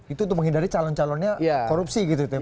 itu untuk menghindari calon calonnya korupsi gitu ya